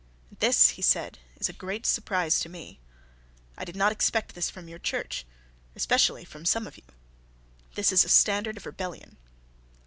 "This," he said, "is a great surprise to me. I did not expect this from your Church, especially from some of you. This is a standard of rebellion."